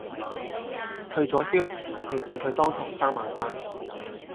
退左燒，你見佢當堂生猛返